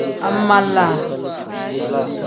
Angmaala.